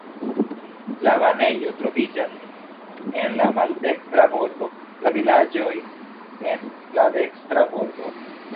La banejo troviĝas en la maldekstra bordo, la vilaĝoj en la dekstra bordo.